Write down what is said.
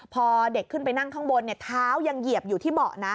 พอเด็กขึ้นไปนั่งข้างบนเท้ายังเหยียบอยู่ที่เบาะนะ